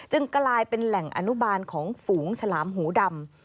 กลายเป็นแหล่งอนุบาลของฝูงฉลามหูดำ